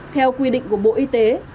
theo quy định của bộ y tế